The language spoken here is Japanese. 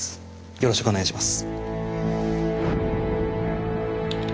よろしくお願いします。